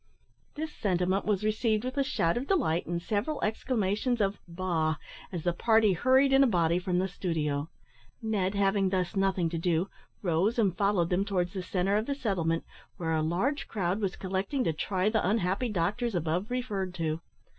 This sentiment was received with a shout of delight, and several exclamations of "Bah!" as the party hurried in a body from the studio. Ned, having thus nothing to do, rose, and followed them towards the centre of the settlement, where a large crowd was collecting to try the unhappy doctors above referred to.